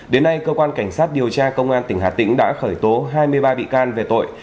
đến nay cơ quan cảnh sát điều tra công an tỉnh hà tĩnh đã khởi tố hai mươi ba bị can về tội